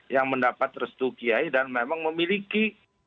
yang mendapat restu kiai dan memang memiliki